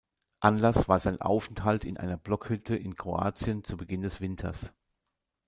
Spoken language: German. Anlass war sein Aufenthalt in einer Blockhütte in Kroatien zu Beginn des Winters.